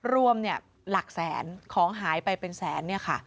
รวมหลักแสนของหายไปเป็นแสน